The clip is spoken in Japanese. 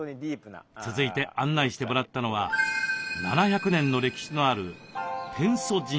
続いて案内してもらったのは７００年の歴史のある天祖神社です。